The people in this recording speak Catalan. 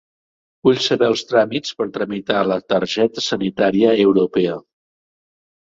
Vull saber els tràmits per tramitar la targeta sanitaria europea.